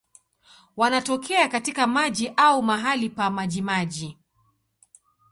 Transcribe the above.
Wanatokea katika maji au mahali pa majimaji.